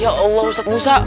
ya allah ustadz musa